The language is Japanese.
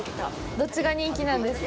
どっちが人気なんですか。